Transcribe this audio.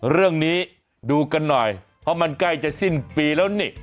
เรื่องนี้ดูกันหน่อยเพราะมันใกล้จะสิ้นปีแล้วนี่